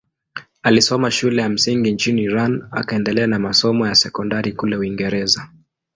Alisoma shule ya msingi nchini Iran akaendelea na masomo ya sekondari kule Uingereza.